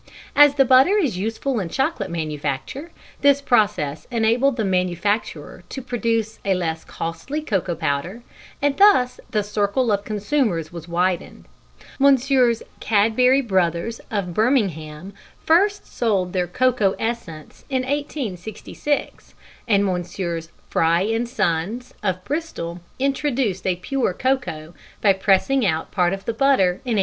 As the butter is useful in chocolate manufacture, this process enabled the manufacturer to produce a less costly cocoa powder, and thus the circle of consumers was widened. Messrs. Cadbury Bros., of Birmingham, first sold their "cocoa essence" in 1866, and Messrs. Fry and Sons, of Bristol, introduced a pure cocoa by pressing out part of the butter in 1868.